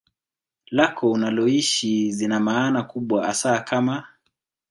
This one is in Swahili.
lako unaloishi zina maana kubwa hasa kama